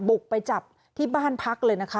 บุกไปจับที่บ้านพักเลยนะคะ